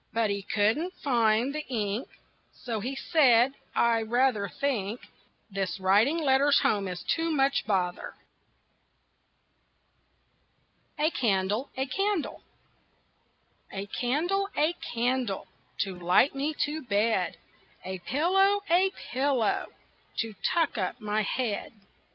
But he couldn't find the ink, So he said: "I rather think This writing letters home is too much bother." A CANDLE, A CANDLE A candle, a candle To light me to bed; A pillow, a pillow To tuck up my head.